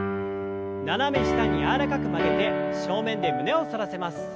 斜め下に柔らかく曲げて正面で胸を反らせます。